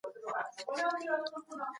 ثنا له وخته ستونزې زغمي.